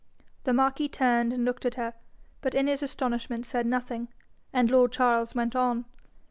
The marquis turned and looked at her, but in his astonishment said nothing, and lord Charles went on.